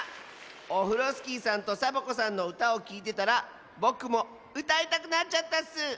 オフロスキーさんとサボ子さんのうたをきいてたらぼくもうたいたくなっちゃったッス！